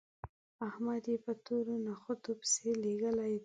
احمد يې په تورو نخودو پسې لېږلی دی